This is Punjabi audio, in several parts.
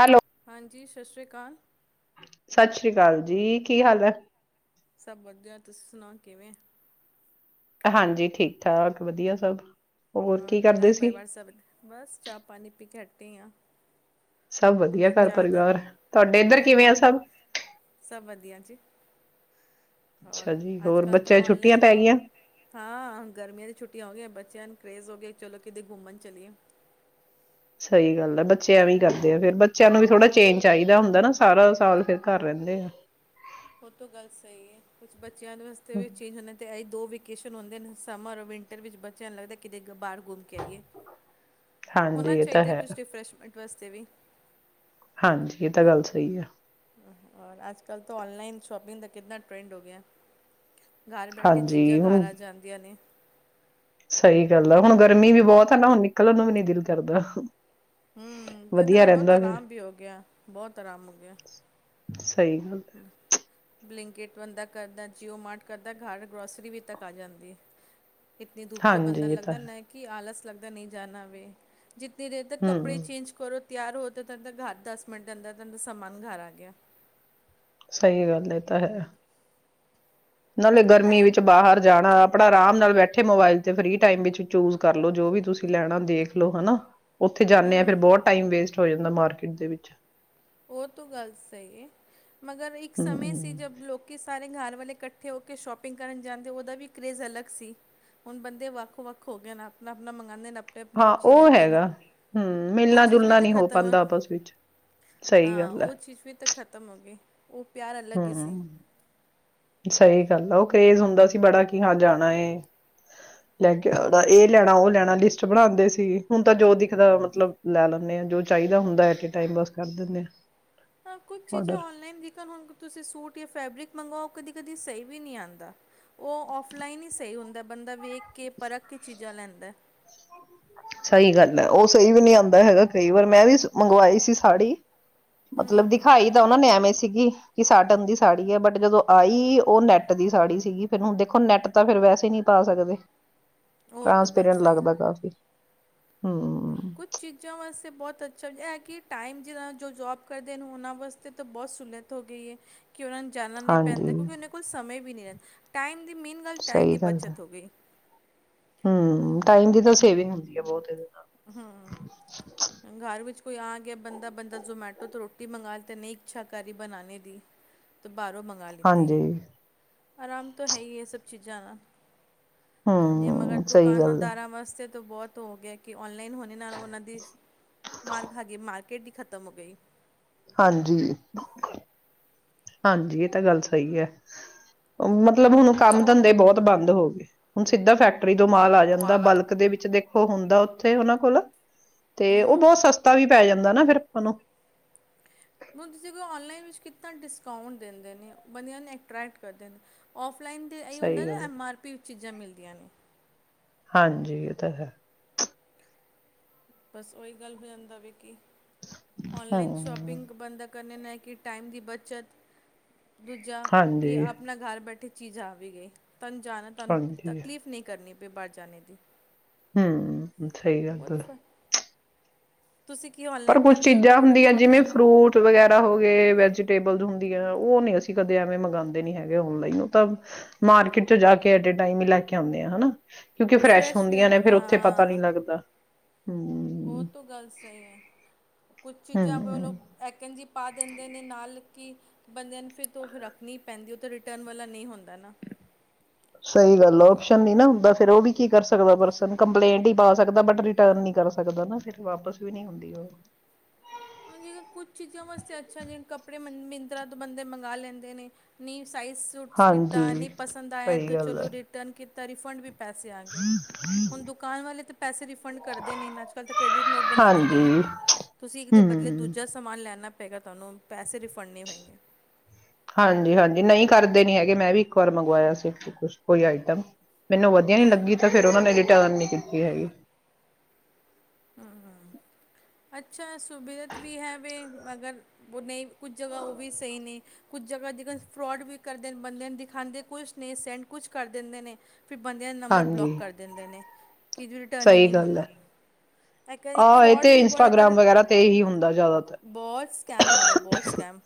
ਹੈਲੋ ਹਾਂਜੀ ਸਤਿ ਸ਼੍ਰੀ ਅਕਾਲ ਸਤਿ ਸ੍ਰੀ ਅਕਾਲ ਜੀ ਕੀ ਹਾਲ ਹੈ ਸਭ ਵਧੀਆ ਤੁਸੀਂ ਸੁਣਾਓ ਕਿਵੇਂ ਹਾਂਜੀ ਠੀਕ ਠਾਕ ਵਧੀਆ ਸਭ ਹੋਰ ਕੀ ਔਰ ਘਰ ਕਰਦੇ ਸੀ ਪਰਿਵਾਰ ਸਭ ਬਸ ਚਾਹ ਪਾਣੀ ਪੀ ਕੇ ਹਟੇ ਕੁੱਤੀਆਂ [unintelligible] ਸਭ ਵਧੀਆ ਘਰ ਪਰਿਵਾਰ ਤੁਹਾਡੇ ਇੱਧਰ ਹਮ ਕਿਵੇਂ ਆ ਸਭ ਹੋਰ ਅੱਛਾ ਜੀ ਅੱਜ ਹੋਰ ਕੱਲ ਤਾਂ ਬੱਚਿਆਂ ਦੀ ਛੁੱਟੀਆਂ ਔਨਲਾਈਨ ਪੈ ਗਈਆਂ ਹਾਂ ਗਰਮੀਆਂ ਦੀ ਛੁੱਟੀਆਂ ਹੋ ਗਈਆਂ ਬੱਚਿਆਂ ਨੂੰ ਕਰੇਜ਼ ਹੋ ਗਿਆ ਚਲੋ ਕਿਤੇ ਘੁੰਮਣ ਚਲੀਏ ਸਹੀ ਗੱਲ ਆ ਬੱਚਿਆਂ ਵੀ ਕਰਦੇ ਆ ਫਿਰ ਬੱਚਿਆਂ ਨੂੰ ਵੀ ਥੋੜ੍ਹਾ ਚੇਂਜ ਚਾਹੀਦਾ ਹੁੰਦਾ ਨਾ ਸਾਰਾ ਸਾਲ ਫਿਰ ਘਰ ਰਹਿੰਦੇ ਆ ਉਹ ਤੋਂ ਗੱਲ ਸਹੀ ਹੈ ਕੁਛ ਬੱਚ ਬੱਚਿਆਂ ਵਾਸਤੇ ਵੀ ਚੇਜ ਹੁੰਦੇ ਦੋ ਵੇਕੇਸ਼ਨ ਹੁੰਦੇ ਨੇ ਸਮਰ ਔਰ ਵਿੰਟਰ ਵਿੱਚ ਬੱਚਿਆਂ ਨੂੰ ਲੱਗਦਾ ਕਿਤੇ ਬਾਹਰ ਘੁੰਮ ਕੇ ਆਈਏ ਹੋਣਾ ਹਾਂਜੀ ਇਹ ਤਾਂ ਚਾਹੀਦਾ ਹੈ ਕੁਛ ਰਿਫਰੈਸ਼ਮੈਂਟ ਵਾਸਤੇ ਵੀ ਹਾਂਜੀ ਇਹ ਤਾਂ ਗੱਲ ਸਹੀ ਹੈ ਅੱਜ ਕੱਲ ਤਾਂ ਔਨਲਾਈਨ ਸ਼ੋਪਿੰਗ ਦਾ ਕਿੰਨਾ ਟਰੈਂਡ ਹੋ ਗਿਆ ਘਰ ਬੈਠੇ ਹਾਂਜੀ ਚੀਜ਼ਾਂ ਘਰ ਹੁਣ ਆ ਜਾਂਦੀਆਂ ਨੇ ਸਹੀ ਗੱਲ ਆ ਹੁਣ ਗਰਮੀ ਵੀ ਬਹੁਤ ਆ ਨਾ ਹੁਣ ਨਿਕਲਣ ਨੂੰ ਵੀ ਨੀ ਦਿਲ ਕਰਦਾ ਹੂੰ, ਇਹਦੇ ਵਧੀਆ ਨਾਲ ਬਹੁਤ ਰਹਿੰਦਾ ਫਿਰ ਆਰਾਮ ਵੀ ਹੋ ਗਿਆ, ਬਹੁਤ ਆਰਾਮ ਹੋ ਗਿਆ। ਸਹੀ ਗੱਲ ਹੈ ਬਲਿੰਕੇਟ ਬੰਦਾ ਕਰਦਾ, ਜੀਓ ਮਾਰਟ ਕਰਦਾ, ਘਰ ਗਰੋਸਰੀ ਵੀ ਤੱਕ ਆ ਜਾਂਦੀ ਏ। ਇਤੇ ਧੂਪ ਤੇ ਬੰਦਾ, ਹਾਂਜੀ ਇਹ ਤਾਂ ਲਗਦਾ ਹੈ ਨਾ ਕਿ ਆਲਸ ਲੱਗਦਾ ਨਹੀਂ ਜਾਣਾ ਵੇ ਜਿੱਤੀ ਦੇਰ ਤੱਕ ਕੱਪੜੇ ਹਮ ਚੇਂਜ ਕਰੋ ਤਿਆਰ ਹੋ, ਤਾਂ ਤਦ ਤਕ ਹਰ ਦਸ ਮਿੰਟ ਦੇ ਅੰਦਰ ਅੰਦਰ ਸਮਾਨ ਘਰ ਆ ਗਿਆ। ਸਹੀ ਗੱਲ ਹੈ, ਏ ਤਾਂ ਹੈ। ਨਾਲੇ ਗਰਮੀ ਟਾਈਮ ਵਿੱਚ ਬਾਹਰ ਜਾਣਾ, ਅਪਣਾ ਆਰਾਮ ਨਾਲ ਏਥੇ ਮੋਬਾਈਲ ਚ ਫ੍ਰੀ ਟਾਇਮ ਵਿੱਚ ਚੂਜ ਕਰਲੋ ਜੋ ਵੀ ਤੁਸੀਂ ਲੈਣਾ ਦੇਖਲੋ ਹੈਨਾ, ਉੱਥੇ ਜਾਂਨੇ ਆ ਫਿਰ ਬਹੁਤ ਟਾਈਮ ਵੇਸਟ ਹੋ ਜਾਂਦਾ ਮਾਰਕੀਟ ਦੇ ਵਿੱਚ ਔ ਤੋ ਗੱਲ ਸਹੀ ਹੈ, ਮਗਰ ਇੱਕ ਸਮੇਂ ਸੀ ਹਮ ਜਬ ਲੋਕੀ ਸਾਰੇ ਘਰ ਪਹਲੇ ਇਕੱਠੇ ਹੋ ਕੇ ਸ਼ੋਪਿੰਗ ਕਰਨ ਜਾਂਦੇ, ਉਹਦਾ ਵੀ ਕਰੇਜ਼ ਅਲੱਗ ਸੀ। ਹੁਣ ਬੰਦੇ ਵੱਖੋ ਵੱਖ ਹੋ ਗਏ ਆਪਣਾ ਆਪਣਾ ਮੰਗਉਂਦੇ ਨੇ ਅਪਣਾ ਹਾਂ ਔਹ ਹੈਗਾ, ਹੂੰ ਉਹ ਮਿਲਣਾ ਚੀਜ਼ ਵੀ ਜੁਲਣਾ ਤਾਂ ਨਹੀ ਹੋ ਖ਼ਤਮ ਹੈ ਪਾਉਂਦਾ ਆਪਸ ਵਿੱਚ ਸਹੀ ਹਾਂ ਗੱਲ ਹੈ ਉਹ ਚੀਜ਼ ਵੀ ਤਾਂ ਖ਼ਤਮ ਹੋ ਗਈ। ਔ ਪਿਆਰ ਅਲੱਗ ਹੀ ਸੀ। ਹਮ ਸਹੀ ਗੱਲ ਆ, ਔ ਕਰੇਜ ਹੁੰਦਾ ਸੀ ਬੜਾ ਕੀ ਹਾਂ ਜਾਣਾ ਏ। ਲੈ ਕੇ ਔਦਾ, ਇਹ ਲਿਆਣਾ, ਉਹ ਲਿਆਣਾ ਲਿਸਟ ਬਣਾਉਂਦੇ ਸੀ, ਹੁਣ ਤਾਂ ਜੋ ਦਿਖਦਾ ਮਤਲਬ ਲੈ ਲੈਂਣੇ ਆ, ਜੋ ਚਾਹੀਦਾ ਹੁੰਦਾ, ਐਟ ਅ ਟਾਇਮ ਬਸ ਕਰ ਦਿੰਦੇ ਆ। ਹਾਂ ਕੁੱਝ ਆਰਡਰ ਚੀਜ਼ਾਂ ਔਨਲਾਈਨ ਵਿਕਣ, ਹੁਣ ਤੁਸੀਂ ਸੂਟ ਜਾਂ ਫੈਬਰਿਕ ਮੰਗਵਾਓ ਕਦੀ- ਕਦੀ ਸਹੀ ਵੀ ਨਹੀਂ ਆਉਂਦਾ, ਔ ਔਫਲਾਈਨ ਹੀ ਸਹੀ ਹੁੰਦਾ। ਬੰਦਾ ਵੇਖ ਕੇ ਪਰਖ ਕੇ ਚੀਜ਼ਾਂ ਲੈਂਦਾ। ਸਹੀ ਗੱਲ ਹੈ। ਉਹ ਸਹੀ ਵੀ ਨਹੀਂ ਆਉਂਦਾ ਹੈਗਾ ਕਈ ਵਾਰ, ਮੈਂ ਵੀ ਮੰਗਵਾਈ ਸੀ ਸਾੜੀ ਮਤਲਬ ਹੂੰ ਦਿਖਾਈ ਦਾ ਉਹਨਾਂ ਨੇ ਐਵੇਂ ਸੀ ਸੀਗੀ ਕਿ ਸਾਟਨ ਦੀ ਸਾੜੀ ਹੈ, ਬਟ ਜਦੋਂ ਆਈ, ਔ ਨੈੱਟ ਦੀ ਸਾੜੀ ਸੀਗੀ, ਫਿਰ ਹੁਣ ਦੇਖੋ ਨੈੱਟ ਤਾਂ ਫੇਰ ਵੈਸੇ ਨਹੀਂ ਪਾ ਸਕਦੇ। ਉਹ ਟ੍ਰਾਂਸਪੇਰੈਂਟ ਲੱਗਦਾ ਕਾਫੀ। ਹਮ ਕੁੱਛ ਚੀਜ਼ਾਂ ਵਾਸਤੇ ਬਹੁਤ ਅੱਛਾ, ਇਹ ਕਿ ਟਾਈਮ ਜਿਦਾ ਜੋ ਜੋਬ ਕਰਦੇ ਨੇ ਉਹਨਾਂ ਵਾਸਤੇ ਤਾਂ ਬਹੁਤ ਸੁਲਅਤ ਹੋ ਗਈ ਏ। ਕਿ ਉਨ੍ਹਾਂ ਨੂੰ ਜਾਣਾ ਨਹੀਂ ਪੈਂਦਾ ਹਾਂਜੀ ਕਿਉਂਕਿ, ਉਹਨਾਂ ਕੋਲ ਸਮੇਂ ਵੀ ਨੀ ਏ ਟਾਈਮ ਮੇਨ ਗੱਲ ਟਾਈਮ ਸਹੀ ਦੀ ਗੱਲ ਹੈ ਬਚਤ ਹੋ ਗਈ। ਹਮ ਟਾਈਮ ਦੀ ਤਾਂ ਸੇਵਿੰਗ ਹੁੰਦੀ ਹੈ, ਬਹੁਤ ਏ ਦੇ ਹੂੰ, ਘਰ ਵਿੱਚ ਕੋਈ ਆ ਗਿਆ ਬੰਦਾ, ਬੰਦਾ ਜਮੈਟੋ ਤੋਂ ਰੋਟੀ ਮੰਗਾ ਤੇ ਨਹੀਂ ਇੱਛਾ ਕਰ ਰੀ ਬਣਾਣੇ ਦੀ ਬਾਹਰੋਂ ਮੰਗਵਾ ਲਿੱਤੀ ਹਾਂਜੀ ਆਰਾਮ ਤਾਂ ਹੈ ਹੀ ਇਹ ਸਭ ਚੀਜ਼ਾਂ ਦਾ ਕੁ ਮਗਰ ਹਮ ਸਹੀ ਗੱਲ ਹੈ ਦੁਕਾਨਾਂਦਾਰਾਂ ਵਾਸਤੇ ਬਹੁਤ ਹੋ ਗਿਆ ਕਿ ਔਨਲਾਈਨ ਹੋਣੇ ਨਾਲ ਉਹਨਾਂ ਦੀ ਮਾਰ ਖਾ ਗਈ ਮਾਰਕੀਟ ਖਤਮ ਹੋ ਗਈ। ਹਾਂਜੀ ਹਾਂਜੀ ਇਹ ਤਾਂ ਗੱਲ ਸਹੀ ਹੈ ਉਹ ਮਤਲਬ ਮਤਲਬ ਹੁਣ ਕੰਮ ਧੰਦੇ ਬਹੁਤ ਬੰਦ ਹੋ ਗਏ। ਹੁਣ ਸਿੱਧਾ ਫੈਕਟ ਰੀ ਤੋਂ ਮਾਲ ਆ ਜਾਂਦਾ ਮਾਲ ਆ ਬਲਕ ਦੇ ਵਿੱਚ ਦੇਖ ਉਹ ਹੁੰਦਾ ਉੱਥੇ ਉਹਨਾਂ ਕੋਲ ਤੇ ਉਹ ਬਹੁਤ ਹੂੰ ਸਸਤਾ ਵੀ ਪੈ ਜਾਂਦਾ ਹੁੰਦਾ ਨਾ ਫਿਰ ਆਪਾ ਨੂੰ ਹੁਣ ਤੁਸੀਂ ਔਨਲਾਈਨ ਵਿੱਚ ਕਿੱਦਾਂ ਡਿਸਕਾਊਂਟ ਦਿੰਦੇ ਨੇ ਬੰਦਿਆਂ ਨੂੰ ਅਟਰ੍ਰੈਕਟ ਕਰਦੇ ਨੇ ਔਫ ਔਫਲਾਈਨ ਏਹ ਹੀ ਸਹੀ ਹੁੰਦਾ ਗੱਲ ਹੈ। ਐਮ ਆਰ ਪੀ ਚੀਜ਼ਾਂ ਮਿਲਦੀਆਂ। ਵਧਿਆਾ ਨੀ ਹਾਂਜੀ ਇਹ ਤਾਂ ਹੈ ਬਸ ਓਹੀ ਗੱਲ ਹੋ ਜਾਂਦਾ ਵੀ ਕੀ ਔਨਲਾਈਨ ਹਮ ਸ਼ੌਪਿੰਗ ਬੰਦਾ ਕ ਕ ਨਾ ਕਿ ਟਾਈਮ ਦੀ ਬੱਚਤ ਦੂਜਾ ਕਿ ਹਾਂਜੀ ਆਪਣਾ ਘਰ ਬੈਠੇ ਚੀਜ਼ ਆ ਵੀ ਗਈ। ਤੁਹਾਨੂੰ ਜਾਣਾ ਤੁਹਾਨੂੰ ਹਾਂਜੀ ਤਕਲੀਫ਼ ਨਹੀਂ ਕਰਨੀ ਪ ਬੇ ਬਚ ਜਾਣੇ ਦੀ ਹੂੰ ਸਹੀ ਗੱਲ ਬਹੁਤ ਤੁ ਫ ਤੁਸੀਂ ਕੀ ਪਰ ਔਨਲਾਈਨ ਕੁਛ ਕਰਦੇ ਹੋ ਚੀਜ਼ਾਂ ਪ੍ਰੈਫਰ ਕਿ ਹੁੰਦੀਆਂ ਜਿਵੇਂ ਔਫਲਾਈਨ ਫਰੂਟ ਵਗੈਰਾ ਹੋ ਗਏ ਵੈਜ ਵੈਜੀਟੇਬਲ ਹੁੰਦੀ ਆਂ ਉਹ ਨ ਅਸੀਂ ਕਦੇ ਐਵੇਂ ਮੰਗਉਂਦੇ ਨੀ ਹੈਗੇ ਔਨਲਾਈਨ ਤਾਂ ਮਾਰਕੀਟ 'ਚ ਜਾ ਕੇ ਐਟ ਏ ਟਾਈਮ ਹੀ ਲੈ ਕੇ ਆਉਂਦੇ ਆ ਹਨਾ। ਕਿਉਂਕਿ ਉਹ ਫਰੈਸ਼ ਵੀ ਹੁੰਦੀਆਂ ਨੇ ਹੁੰਦੇ, ਫੇਰ ਉੱਥੇ ਪਤਾ ਨਹੀਂ ਹਾਂ ਲੱਗਦਾ ਉਹ ਹੂੰ ਤਾਂ ਗੱਲ ਸਹੀ ਹੈ ਕੁਛ ਚੀਜ਼ਾਂ ਉਹਨੂੰ ਐ ਕਹਿੰਦੀ। ਪਾ ਦਿੰਦੇ ਨੇ ਨਾਲ ਕਿ ਬੰਦਿਆਂ ਨੂੰ ਫਿਰ ਤੂੰ ਰੱਖਣੀ ਪੈਂਦੀ ਉਹ ਤਾਂ ਰਿਟਰਨ ਵਾਲਾ ਨਹੀਂ ਹੁੰਦਾ ਨਾ। ਸਹੀ ਗੱਲ ਆਪਸ਼ਨ ਨਹੀ ਹੁੰਦਾ ਉਹ ਵੀ ਕਰ ਸਕਦਾ ਪਰਸਨ ਕੰਪਲੇਂਟ ਪਾ ਸਕਦਾ ਪਰ ਰਿਟਰਨ ਨੀ ਕਰ ਸਕਦਾ ਨਾ ਵਾਪਸ ਵੀ ਨ ਹੁੰਦੀ ਉਹ ਹਾਂਜੀ ਕੁਛ ਚੀਜ਼ਾਂ ਵਾਸਤੇ ਅੱਛਾ ਜਿਵੇ ਕੱਪੜੇ ਮਿੰਦਰਾ ਤੋਂ ਬੰਦੇ ਮੰਗ ਲੈਂਦੇ ਨੇ ਨੀ ਸਾਈਜ਼ ਸੂਟ ਕੀਤਾ ਹਾਂਜੀ ਨਹੀਂ ਪੰਸਦ ਆਇਆ ਸਹੀ ਅਤੇ ਗੱਲ ਚਲੋ ਹੈ ਰਿਟਰਨ ਕੀ ਤਾਂ ਰਿਫੰਡ ਵੀ ਪੈਸੇ ਆ ਗਏ ਹੁਣ ਦੁਕਾਨ ਵਾਲੇ ਤਾਂ ਪੈਸੇ ਰਿਫੰਡ ਕਰਦੇ ਨਈ ਅੱਜ ਕੱਲ ਤਾਂ ਕ੍ਰੈਡਿਟ ਨੋਟ ਬਣਾ ਦਿੰਦੇ ਨੇ ਹਾਂਜੀ ਤੁਸੀਂ ਇੱਕ ਦੇ ਹਮ ਦੂਜਾ ਸਮਾਨ ਲੈਣਾ ਮੈਂ ਕਿਹਾ ਤੁਹਾਨੂੰ ਪੈਸੇ ਰਿਫੰਡ ਨਹੀਂ ਹੋਏਗੇ ਹਾਂਜੀ ਹਾਂਜੀ ਨਹੀਂ ਕਰਦੇ ਨੀ ਹੈਗੇ ਮੈਂ ਵੀ ਇੱਕ ਵਾਰ ਮੰਗਵਾਇਆ ਸੀ ਕੁਛ ਕੋਈ ਆਈਟਮ ਮੈਨੂੰ ਵਧੀਆ ਨਹੀਂ ਲੱਗੀ ਤਾਂ ਫਿਰ ਉਹਨਾਂ ਨੇ ਟਰਨ ਨੀ ਕੀਤੀ ਹੈਗੀ ਹ ਅੱਛਾ ਸੁਬਿਧਤ ਵੀ ਹੈ ਮਗਰ ਨਹੀਂ ਕੁਛ ਜਗਾ ਉਹ ਵੀ ਸਹੀ ਨਹੀਂ ਕੁਛ ਜਾ ਜ ਫਰੋਡ ਵੀ ਕਰਦੇ ਬੰਦੇ ਦਿਖਾਦੇ ਕੁਛ ਨਹੀਂ ਸੈਂਡ ਕੁਛ ਕਰ ਦਿੰਦੇ ਨੇ ਫਿਰ ਬੰਦਿਆਂ ਦਾ ਨੰਬਰ ਬਲੋਕ ਹਾਂਜੀ ਕਰ ਦਿੰਦੇ ਨੇ ਕਿ ਜ ਰਿਟਰਨ ਹੀ ਸਹੀ ਨਹੀਂ ਗੱਲ ਹੋਣਾ ਹੈ ਆਹ ਇਹ ਫਰੋਡ ਤੇ ਵੀ ਬੜੇ ਇੰਸਟਾਗ੍ਰਾਮ ਵਗੈਰਾ ਤੇ ਹੀ ਹੁੰਦਾ ਜ਼ਿਆਦਾਤਰ ਬਹੁਤ ਤ੍ਤਰ੍ਹਾਂ ਸਕੈਮ ਹੋ ਰਿਹਾ ਬਹੁਤ ਸਕੈਮ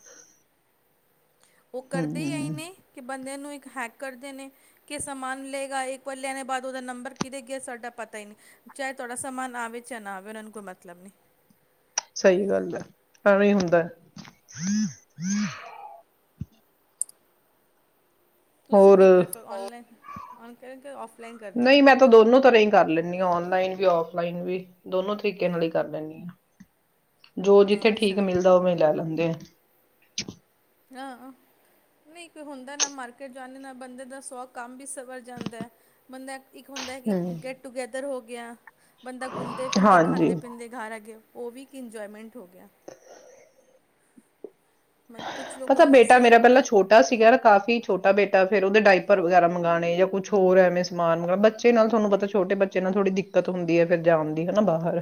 ਉਹ ਕਰਦੇ ਹੀ ਆਈ ਹਮ ਨੇ ਕਿ ਬੰਦਿਆਂ ਨੂੰ ਇੱਕ ਹੈਕ ਕਰਦੇ ਨੇ ਕਿ ਸਮਾਨ ਲਏਗਾ ਇੱਕ ਵਾਰ ਲੈਣੇ ਬਾਅਦ ਉਹਦਾ ਨੰਬਰ ਕਿਹਤੇ ਗਿਆ ਸਾਡਾ ਪਤਾ ਹੀ ਨਹੀਂ ਚਾਹੇ ਤੁਹਾਡਾ ਸਮਾਨ ਨਾਵੇ ਚ ਨਾ ਆਵੇ ਉਹਨਾਂ ਨੂੰ ਕੋਈ ਮਤਲਬ ਨਹੀਂ ਸਹੀ ਗੱਲ ਹੈ ਪਾਵੇ ਹੁੰਦਾ ਤੁਸੀਂ ਹੋਰ ਕੀ ਪ੍ਰੈਫਰ ਔਨਲਾਈਨ ਔਨ ਕਰ ਔਫਲਾਈਨ ਕਰਦੇ ਹੋ ਨਹੀਂ ਮੈਂ ਤਾਂ ਦੋਨੋ ਤਰ੍ਹਾਂ ਕਰ ਲੈਂਦੀ ਹੈ ਓਨਲਾਈਨ ਵੀ ਆਫ਼ ਲਾਈਨ ਵੀ ਦੋਨੋ ਤਰੀਕੇ ਨਾਲ ਹੀ ਕਰ ਲੈਂਦੀ ਆ ਜੋ ਜਿੱਥੇ ਠੀਕ ਅੱਛਾ ਮਿਲਦਾ ਉਹਵੇਂ ਲੈ ਲੈਂਦੀ ਤੇ ਹਾਂ ਨਹੀਂ ਕੋਈ ਹੁੰਦਾ ਨਾ ਮਾਰਕੀਟ ਜਾਂਦੇ ਨਾ ਬੰਦੇ ਦਾ ਸੌ ਕੰਮ ਵੀ ਸਵਰ ਜਾਂਦਾ ਬੰਦਾ ਇੱਕ ਹੁੰਦਾ ਹੈ ਕਿ ਹਮ ਗੈਟ ਟੂਗੇੈਦਰ ਹੋ ਗਿਆ ਗਿਆ ਬੰਦਾ ਘੁੰਮਦੇ ਫਿਰਦੇ ਹਾਂਜੀ ਖਾਂਦੇ ਪੀਂਦੇ ਘਰ ਆਗੇ ਉਹ ਵੀ ਇੱਕ ਇੰਜੋਏਮੈਂਟ ਹੋ ਗਿਆ ਕੁਛ ਪਤਾ ਲੋਕਾਂ ਬੇਟਾ ਵਾਸਤੇ ਮੇਰਾ ਪਹਿਲਾਂ ਛੋਟਾ ਸੀ ਕਾਫ਼ੀ ਛੋਟਾ ਬੇਟਾ ਫੇਿਰ ਉਹਦੇ ਡਾਇਪਰ ਵਗੈਰਾ ਮੰਗਵਾਉਣੇ ਜਾਂ ਕੁਛ ਹੋਰ ਐਵੇਂ ਸਮਾਨ ਮੰਗਉਣਾ ਬੱਚੇ ਨਾਲ ਤੁਹਾਨੂੰ ਪਤਾ ਛੋਟੇ ਬੱਚੇ ਨਾਲ ਥੋੜ੍ਹੀ ਦਿੱਕਤ ਹੁੰਦੀ ਹੈ ਫਰ ਜਾਣ ਦੀ ਹਨਾ ਬਾਹਰ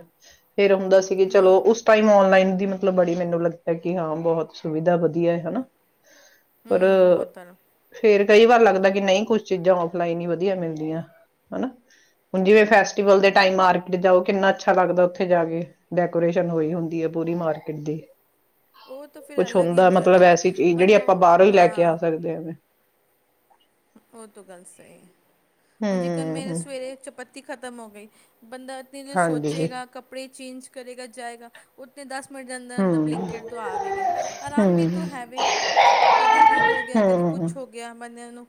ਫੇਰ ਹੁੰਦਾ ਸੀ ਕਿ ਚਲੋ ਉਸ ਟਾਈਮ ਔਨਲਾਈਨ ਦੀ ਮਤਲਬ ਬੜੀ ਮੈਨੂੰ ਲੱਗਦਾ ਕਿ ਹਾਂ ਬਹੁਤ ਸੁਵਿਧਾ ਵਧੀਆ ਹੈ ਹਨਾ ਪਰ ਹਮ ਬਹੁਤ ਤਰ੍ਹਾਂ ਫੇਰ ਕਈ ਵਾਰ ਲੱਗਦਾ ਨਹੀਂ ਕੁਛ ਚੀਜ਼ਾਂ ਫਲਾਈਨ ਹੀ ਵਧੀਆ ਮਿਲਦੀਆਂ ਹਨਾ ਹੁਣ ਜਿਵੇਂ ਫੈਸਟੀਵਲ ਦੇ ਟਾਈਮ ਮਾਰਕੀਟ ਜਾਓ ਕਿੰਨਾ ਅੱਛਾ ਲੱਗਦਾ ਉੱਥੇ ਜਾ ਕੇ ਡੈਕੋਰੇਸ਼ਨ ਹੋਈ ਹੁੰਦੀ ਹੈ ਪੂਰੀ ਤਰਾਂ ਫਿਰਦੀ ਉਹ ਤਾਂ ਫਿਰ ਕੁਛ ਅਲੱਗ ਹੀ ਹੁੰਦਾ ਮਤਲਬ ਇੰਜੋਏਮੈਂਟ ਐਸੀ ਚੀਜ਼ ਜਿਹੜੀ ਬੰਦਾ ਆਪਾਂ ਬਾਹਰੋਂ ਹੀ ਲੈ ਕੇ ਆ ਹਾਂ ਸਕਦੇ ਐ ਉਹ ਤੋਂ ਗੱਲ ਸਹੀ ਹੈ। ਹੁਣ ਜੀਕਨ ਮੇਰੇ ਹਮ ਸਵੇਰੇ ਚਪੱਤੀ ਖਤਮ ਹੋ ਗਈ ਬੰਦਾ ਦਿਨ ਹਾਂਜੀ ਸੋਚੇਗਾ ਕੱਪੜੇ ਚੇਂਜ ਕਰੇਗਾ ਜਾਏਗਾ ਉਤੇ ਦਸ ਮਿੰਟ ਦੇ ਅੰਦਰ-ਅੰਦਰ ਹਮ ਬਲਿੰਕੇਟ ਤੋਂ ਆਵੇ ਗਈ। ਆਰਾਮ ਵੀ ਤੋਂ ਹਮ ਹੈਵੇ ਕਦੀ ਦੁੱਧ ਹੋ ਗਿਆ, ਕਦੀ ਹਮ ਕੁਛ ਹੋ ਗਿਆ ਬੰਦਿਆਂ ਨੂੰ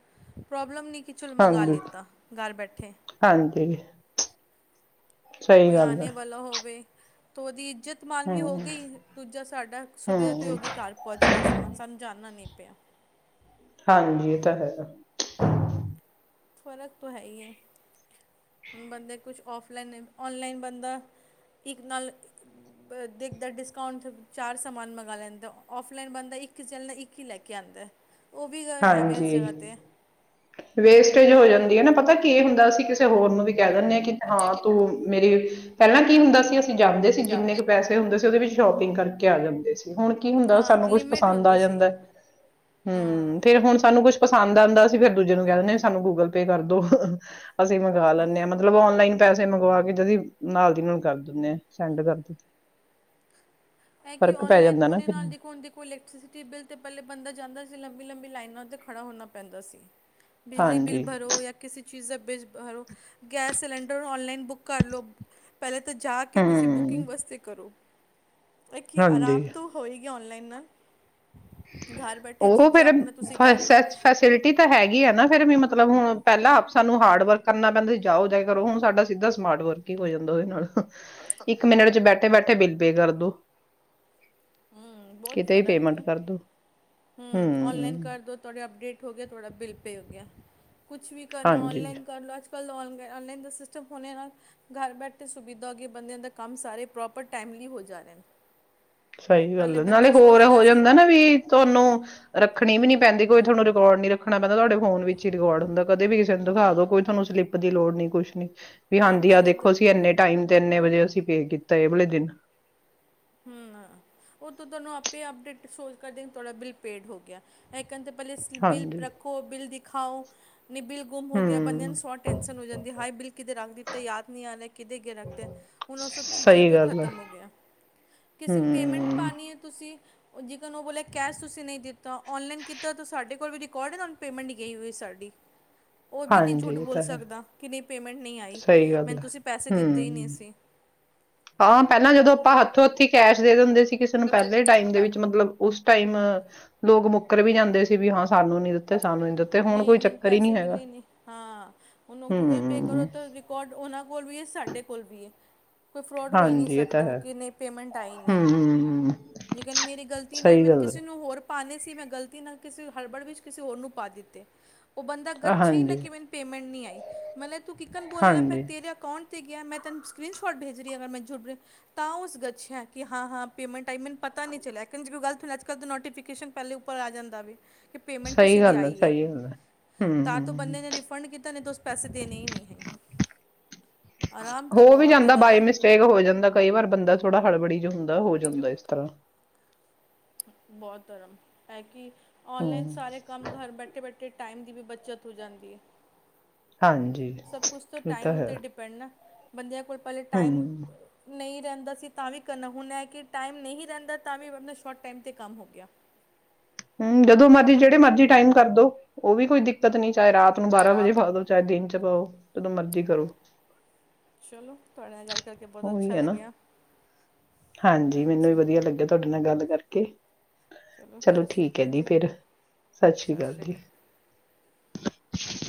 ਪ੍ਰੋਬਲਮ ਨੀ ਕਿ ਚਲ ਮੰਗਾ ਹਾਂਜੀ ਲਿੱਤਾ, ਘਰ ਬੈਠੇ ਹਾਂਜੀ ਸਹੀ ਕੋਈ ਗੱਲ ਹੈ ਆਣੇ ਵਾਲਾ ਹੋਵੇ ਤ ਉਹਦੀ ਇੱਜਤ-ਮਾਨ ਵੀ ਹੋ ਹਮ ਗਈ। ਦੂਜਾ ਸਾਡਾ ਸੁਭੇ ਤੋਂ ਹੀ ਹਮ ਹੋ ਗਈ ਘਰ ਪਹੁੰਚ ਗਿਆ ਸਮਾਨ ਸਾਨੂੰ ਜਾਣਨਾ ਨਹੀਂ ਪਿਆ ਹਾਂਜੀ ਇਹ ਤਾਂ ਹੈਗਾ ਫ਼ਰਕ ਤੋਂ ਹੈ ਹੀ ਏ। ਹੁਣ ਬੰਦੇ ਕੁਛ ਆਫਲਾਈਨ ਔਨਲਾਈਨ ਬੰਦਾ ਇੱਕ ਨਾਲ ਦੇਖਦਾ ਡਿਸਕਾਊਂਟ ਚਾਰ ਸਮਾਨ ਮੰਗਵਾ ਲੈਂਦਾ ਔਫਲਾਈਨ ਬੰਦਾ ਇੱਕ ਚੱਲ ਨਾਲ ਇੱਕ ਹੀ ਲੈ ਕੇ ਆਉਂਦਾ ਏ ਹਾਂਜੀ ਵੇਸਟੇਜ ਹੋ ਜਾ ਨਾ ਪਤਾ ਕੀ ਹੁੰਦਾ ਅਸੀਂ ਕਿਸੇ ਹੋਰ ਨੂੰ ਵੀ ਕਹਿ ਦਿੰਦੇ ਆ ਕਿ ਹਾਂ ਤੂੰ ਮੇਰਿ ਪਹਿਲਾਂ ਕੀ ਹੁੰਦਾ ਸੀ ਜਾਂਦੇ ਸੀ ਜਿੰਨੇ ਜਾਂਦੇ ਕੁ ਪੈਸੇ ਹੁੰਦੇ ਸੀ ਉਹਦੇ ਵਿੱਚ ਸ਼ੋਪਿੰਗ ਕਰਕੇ ਆ ਜਾਂਦੇ ਸੀ ਹੁਣ ਕੀ ਹੁੰਦਾ ਹਾਂ ਸਾਨੂੰ ਕੁਛ ਲਿਮਿਟ ਪਸੰਦ ਆ ਹੁੰਦੀ ਸੀ ਜਾਂਦਾ ਹਾਂ ਹਮ ਸਾਨੂੰ ਕੁੱਛ ਪਸੰਦ ਆਉਂਦਾ ਅੱਸੀ ਫੇਿਰ ਦੂਜੇ ਨੂੰ ਕਹਿ ਦਿੰਦੇ ਹਾਂਵੀ ਸਾਨੂੰ ਗੂਗਲ ਪੇ ਕਰਦੋ ਅਸੀਂ ਮੰਗਵਾ ਲੈਂਨਦੇ ਹਾਂ ਮਤਲਬ ਔਲਾਈਨ ਪੈਸੇ ਮੰਗਵਾ ਕੇ ਜਦੀ ਨਾਲ ਦੀ ਨਾਲ ਨੂੰ ਕਰ ਦਿੰਦੇ ਆ ਸੈਂਡ ਕਰ ਦਿੱਤੇ ਐ ਕਿ ਨਲਾਈਨ ਹੋਣੇ ਨਾਲਣ ਦੇਖੋ ਇਲਕਟ੍ਰਸਿਟੀ ਬਿੱਲ ਤੇ ਪਹਿਲੇ ਬਣਦਾ ਜਾਂਦਾ ਸੀ ਲੰਬੀ-ਲੰਬੀ ਲਾਈਨ ਲਾਈਨਾਂ ਤੇ ਖੜਾ ਹੋਣਾ ਪੈਂਦਾ ਸੀ ਬਿਜਲੀ ਬਿਲ ਹਾਂਜੀ ਭਰੋ ਯਾਂ ਕਿਸੇ ਚੀਜ਼ਾਂ ਬੇਰੋ ਗੈਸ ਸਿਲੰਡਰ ਔਨਲਾਈਨ ਬੁੱਕ ਕਰ ਲਓ ਪਹਿਲੇ ਤਾਂ ਜਾ ਕੇ ਤੁਸੀਂ ਹੂੰ ਬੁਕਿੰਗ ਵਾਸਤੇ ਕਰੋ ਕੀ ਹਾਂਜੀ ਆਰਾਮ ਤ ਹੋਏਗੀ ਓਨਲਾਈਨ- ਕਿਨ ਉਹ ਫੇਿਰ ਫ ਲਓ ਫੈਸਿਲਿਟੀ ਤਾਂ ਹੈਗੀ ਆ ਨਾ। ਫੇਰ ਮੈ ਮਤਲਬ ਹੁਣ ਪਹਿਲਾਂ ਸਾਨੂੰ ਹਾਰਡ ਵਰਕ ਕਰਨਾ ਪੈਂਦਾ ਸੀ ਜਾਓ ਜਾਂ ਕਰੋ ਹੁਣ ਸਾਡਾ ਸਿੱਧਾ ਸਮਾਰਟ ਵਰਕ ਹੀ ਹੋ ਜਾਂਦਾ ਉਹਦੇ ਨਾਲ ਇੱਕ ਮਿੰਟ ਚ ਬੈਠੇ-ਬੈਠੇ- ਬਿਲ ਪੇ ਕਰਦੋ ਹਮ ਕਿਤੇ ਹੀ ਪੇਮੈਂਟ ਕਰਦੋ ਹੁੰ ਔਨਲਾਈਨ ਕਰਦੋ ਤੁਹਾਡੇ ਅਪਡੇਟ ਹੋ ਗਿਆ ਤੁਹਾਡਾ ਬਿਲ ਪੇ ਹੋ ਗਿਆ। ਕੁਛ ਵੀ ਕਰਨਾ ਹਾਂਜੀ ਔਨਲਾਈਨ ਕਰ ਲੋਂ ਅੱਜ- [unintelligible] ਔਨਲਾਈਨ ਦਾ ਸਿਸਟਮ ਹੋਨੇ ਨਾਲ ਘਰ ਬੈਠੇ ਸੁਵਿਧਾ ਹੋਗੀ ਏ ਬੰਦਿਆਂ ਦਾ ਕੰਮ ਸਾਰੇ ਪ੍ਰੋਪਰ ਟਾਈਮਲੀ ਹੋ ਜਾ ਰਹੇ ਨ। ਸਹੀ ਗੱਲ ਏ, ਨਾਲੇ ਹੋਰ ਹੋ ਜਾਂਦਾ ਨਾ ਵੀ ਤੁਹਾਨੂੰ ਰ ਰੱਖਣੀ ਵੀ ਨੀ ਪੈਂਦੀ, ਕੋਈ ਤੁਹਾਨੂੰ ਰਿਕਾਰਡ ਨੀ ਰੱਖਣਾ ਪੈਂਦਾ ਤੁਹਾਡੇ ਫੋਨ ਵਿੱਚ ਹੀ ਰਿਕਾਰਡ ਹੁੰਦਾ ਕਦੇ ਵੀ ਕਿਸੇ ਨੂੰ ਦਿਖਾ ਦੋ, ਕੋਈ ਤੁਹਾਨੂੰ ਸਲਿੱਪ ਦੀ ਲੋੜ ਨਹੀਂ ਕੁਛ ਨੀ। ਵੀ ਹਾਂ ਆਂਦੀ ਆ ਦੇਖੋ ਪਹਿਲੇ ਅਸੀਂ ਇੰਨੇ ਟਾਈਮ ਤੇ ਇੰਨੇ ਵਜੇ ਅਸੀਂ ਪੇ ਕੀਤਾ ਏ ਵਾਲੇ ਦਿਨ। ਹੁੰ ਨਾ ਓਹ ਤਾਂ ਤੁਹਾਨੂੰ ਆਪੇ ਅਪਡੇਟ ਸ਼ੋ ਕਰ ਦੇ ਤੁਹਾਡਾ ਬਿੱਲ ਪੇਡ ਹੋ ਗਿਆ। ਕਹਦੇ ਪਹਿਲੇ ਸਲਿੱਪ ਬਿਲ ਹਾਂਜੀ ਰੱਖੋ ਬਿਲ ਦਿਖ ਦਿਖਾਓ ਨਹੀਂ ਬਿੱਲ ਗੁੰਮ ਹੋ ਗਿਆ ਬੰਦਿਆਂ ਹੂੰ ਨੂੰ ਸੋ ਟੈਂਸਨ ਹੋ ਜਾਂਦੀ ਏ। ਹਾਏ ਬਿੱਲ ਕਿਦੇ ਰੱਖ ਦਿੱਤਾ ਈ ਯਾਦ ਨਹੀਂ ਆ ਰਿਹਾ, ਕਿਦੇ ਅੱਗੇ ਰੱਖਤਾ ਹੁਣ ਔ ਸਭ ਚੀਜ਼ਾਂ ਸਹੀ ਤੋਂ ਗੱਲ ਹੈ ਖਤਮ ਹੋ ਗਿਆ। ਕਿਸੇ ਨੁੰ ਪੇਮੈਂਟ ਹਮ ਪਾਉਣੀ ਹੈ ਤੁਸੀਂ? ਔ [unintelligible] ਔ ਬੋਲਿਆ ਕੈਸ਼ ਤੁਸੀਂ ਨਹੀਂ ਦਿੱਤਾ, ਔਨਲਾਈਨ ਕੀਤਾ ਤਾਂ ਸਾਡੇ ਕੋਲ ਵੀ ਰਿਕਾਰਡ ਹੈ ਤੁਹਾਨੂੰ ਪੇਮੈਂਟ ਗਈ ਹੋਈ ਸਾਡੀ। ਓਹ ਵੀ ਨਹੀਂ ਹਾਂਜੀ ਝੂਠ ਇਹ ਬੋਲ ਤਾਂ ਹੈ ਸਕਦਾ ਕਿ ਨਹੀਂ ਪੇਮੈਂਟ ਨਹੀਂ ਆਈ ਸਹੀ ਗੱਲ ਮੈਨੂੰ ਹੈ ਤੁਸੀਂ ਪੈਸੇ ਦਿੱਤੇ ਹੀ ਨਹੀਂ ਹਮ ਸੀ। ਹਾਂ ਪਹਿਲਾਂ ਜਦੋਂ ਆਪਾਂ ਹੱਥੋਂ ਹੱਥੀ ਕੈਸ਼ ਦੇ ਦਿੰਦੇ ਸੀ। ਕਿਸੇ ਨੂੰ ਹੁੰਦੇ ਸੀ ਪਹਿਲੇ ਕਿਸੇ ਟਾਈਮ ਦੇ ਵਿੱਚ ਮਤਲਬ ਉਸ ਟਾਈਮ ਲੋਕ ਮੁੱਕਰ ਵੀ ਹੁੰ, ਜਾਂਦੇ ਸੀ ਵੀ ਹਾਂ ਸਾਨੂੰ ਨੀ ਦਿੱਤੇ ਸਾਨੂੰ ਨੀ ਦਿੱਤੇ ਹੁਣ ਨਹੀਂ ਕੋਈ ਮੈਨੂੰ ਚੱਕਰ ਹੀ ਪੈਸੇ ਨਹੀਂ ਹੈਗਾ ਮਿਲੇ ਨੀ ਹਾਂ ਓਨੂੰ ਗੂਗਲ ਪੇ ਹਮ ਕਰੋ, ਤਾਂ ਰਿਕਾਡ ਔਨਾਂ ਕੋਲ ਵੀ ਏ ਸਾਡੇ ਕੋਲ ਵੀ ਏ। ਕੋਈ ਫਰੋਡ ਹੋ ਹੀ ਨਹੀਂ ਹਾਂਜੀ ਇਹ ਤਾਂ ਸਕਦਾ ਹੈ ਕਿ ਨਹੀਂ ਪੇਮੈਂਟ ਆਈ ਨਹੀਂ ਹਮ ਲੇਕਿਨ ਮੇਰੀ ਗਲਤੀ ਨਾਲ ਸਹੀ ਮੈਨੂੰ ਗੱਲ ਹੈ ਕਿਸੇ ਨੂੰ ਹੋਰ ਪਾਉਣੇ ਸੀ ਮੈਂ ਗ਼ਲਤੀ ਨਾਲ ਕਿਸੇ ਹੜਬੜ ਵਿੱਚ ਕਿਸੇ ਹੋਰ ਨੂੰ ਪਾ ਦਿੱਤੇ। ਓਹ ਬੰਦਾ ਗੱਛੇ ਹੀ ਨਾ ਹਾਂਜੀ ਕਿ ਮੈਨੂੰ ਪੇਮੈਂਟ ਨਹੀਂ ਆਈ ਮਲਬ ਤੂੰ ਕਿਕਨ ਬੋਲਨਾ ਪਿਆ ਹਾਂਜੀ ਤੇਰੇ ਅਕਾਊਂਟ ਤੇ ਗਿਆ, ਮੈਂ ਤੁੈਨੂੰ ਸਕਰੀਨ ਸ਼ੋਟ ਭੇਜ ਰਹੀ ਆਂ ਅਗਰ ਮੈਂ ਝੂਠ ਬੋਲ ਰਹੀ ਆ, ਤਾਂ ਉਸ ਗਛਿਆ ਕਿ ਹਾਂ ਹਾਂ ਪੇਮੈਂਟ ਆਈ ਮੈਨ ਪਤਾ ਨਹੀਂ ਚਲਿਆ [unintelligible] ਨੋਟੀਫਿਕੇਸ਼ਨ ਪਹਿਲੇ ਉਪਰ ਪਰ ਆ ਜਾਂਦਾ ਵੇ। ਕਿ ਪੇਮੈਂਟ ਸਹੀ ਕਿਸੇ ਦੀ ਗੱਲ ਹੈ, ਆਈ ਸਹੀ ਗੱਲ ਹੈ ਤਾਂ ਤੋਂ ਹੁੰ ਬੰਦੇ ਨੇ ਰਿਫੰਡ ਕੀਤਾ ਨਹੀਂ ਤਾਂ ਉਸ ਪੈਸੇ ਦੇਣੇ ਹੀ ਨਹੀਂ ਹੈ ਆਰਾਮ ਤਾਂ ਹੋ ਵੀ ਬਹੁਤ ਜਾਂਦਾ ਇਹਦੇ ਬਾਏ ਨਾਲ ਮਿਸਟੇਕ ਹੋ ਜਾਂਦਾ ਕਈ ਵਾਰ ਬੰਦਾ ਥੋੜਾ ਹੜਬੜੀ ਹੁੰਦਾ, ਹੋ ਬੜੀ ਜੋ ਜਾਂਦਾ ਇਸ ਤਰ੍ਹਾਂ। ਹੁੰਦਾ ਬਹੁਤ ਧਰਮ, ਹੈ ਕਿ ਔਨਲਾਈਨ ਹਮ ਸਾਰੇ ਕੰਮ ਘਰ ਬੈਠੇ-ਬੈਠੇ ਤੇ ਟਾਈਮ ਦੀ ਵੀ ਬੱਚਤ ਹੋ ਜਾਂਦੀ ਏ। ਹਾਂਜੀ ਸਭ ਕੁਛ ਤੋਂ ਇਹ ਤਾਂ ਟਾਈਮ ਹੈ ਉਤੇ ਡਿਪੈਂਡ ਏ। ਬੰਦਿਆਂ ਪਹਿਲੇ ਟਾਈਮ ਹਮ ਨਹੀਂ ਰਹਿੰਦਾ ਸੀ ਤਾਂ ਵੀ ਕਰਨਾ ਹੁਣ ਏ ਕਿ ਟਾਈਮ ਨਹੀਂ ਰਹਿੰਦਾ ਤਾਂ ਵੀ ਮਤਲਬ। ਬਟ ਟਾਈਮ 'ਤੇ ਕੰਮ ਹੋ ਗਿਆ। ਹਮ ਜਦੋਂ ਮਰਜੀ ਜਿਹੜੇ ਮਰਜੀ ਟਾਈਮ ਕਰਦੋ ਉਹ ਵੀ ਕੋਈ ਦਿੱਕਤ ਨੀ। ਚਾਹੇ ਰਾਤ ਨੂੰ ਚਾਹੇ ਬਾਰਾਂ ਵਜੇ ਰਾਤ ਉਠਾ ਦੋ ਦਿਨ ਚ ਚਾਰ [unintelligible] ਚਲੋ ਤੁਹਾਡੇ ਨਾਲ ਗੱਲ ਕਰਕੇ ਬਹੁਤ ਉਹੀ ਅੱਛਾ ਹੈ ਨਾ ਲੱਗਿਆ ਹਾਂਜੀ ਮੈਨੂੰ ਵੀ ਵਧੀਆ ਲੱਗਿਆ ਤੁਹਾਡੇ ਨਾਲ ਗੱਲ। ਕਰਕੇ। ਚਲੋ ਸਤਿ ਸ਼੍ਰੀ ਠੀਕ ਹੈ ਅਕਾਲ ਜੀ ਫਿਰ ਸਤਿ ਸ੍ਰੀ ਅਕਾਲ ਜੀ। [inaudible]